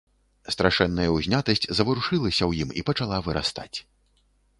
Страшэнная ўзнятасць заварушылася ў ім і пачала вырастаць.